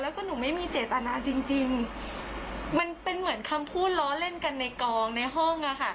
แล้วก็หนูไม่มีเจตนาจริงจริงมันเป็นเหมือนคำพูดล้อเล่นกันในกองในห้องอ่ะค่ะ